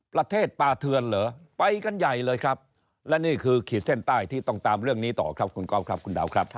ประเทศปาเทือนเหรอไปกันใหญ่เลยครับและนี่คือขีดเส้นใต้ที่ต้องตามเรื่องนี้ต่อครับคุณก๊อฟครับคุณดาวครับ